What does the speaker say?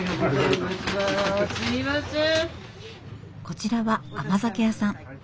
こちらは甘酒屋さん。